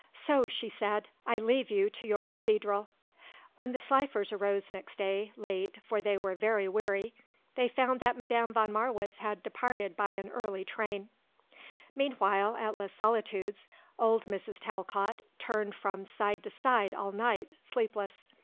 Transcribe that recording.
"So," she said; "I leave you to your cathedral." When the Slifers arose next day, late, for they were very weary, they found that Madame von Marwitz had departed by an early train. Meanwhile, at Les Solitudes, old Mrs. Talcott turned from side to side all night, sleepless.